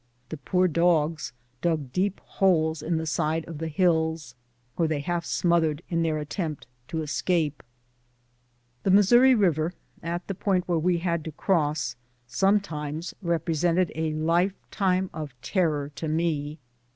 The poor dogs dug deep holes in the side of the hills, where they half smothered in their attempt to escape. The Missouri River at the point where we had to cross sometimes represented a lifetime of terror to me.